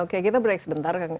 oke kita break sebentar